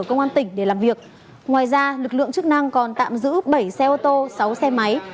công an tỉnh để làm việc ngoài ra lực lượng chức năng còn tạm giữ bảy xe ô tô sáu xe máy